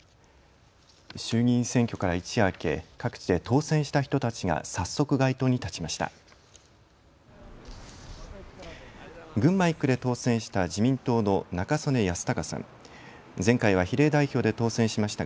衆議院選挙から一夜明け各地で当選した人たちが早速、街頭に立ちました。